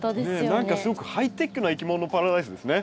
何かすごくハイテクないきものパラダイスですね。